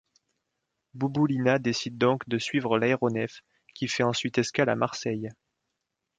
Bouboulina décide donc de suivre l'aéronef, qui fait ensuite escale à Marseille.